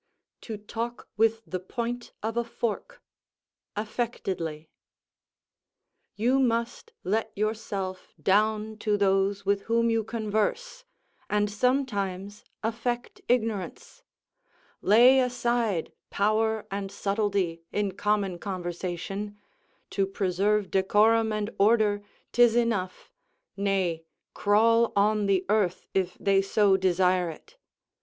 ["To talk with the point of a fork," (affectedly)] You must let yourself down to those with whom you converse; and sometimes affect ignorance: lay aside power and subtilty in common conversation; to preserve decorum and order 'tis enough nay, crawl on the earth, if they so desire it.